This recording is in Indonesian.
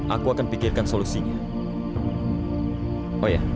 aku akan pikirkan solusinya